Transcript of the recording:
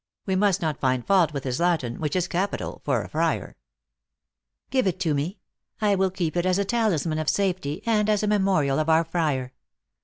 We must not find fault with his Latin, which is capital for a friar !"" Give it to me. I will keep it as a talisman of safety, and as a memorial of our friar.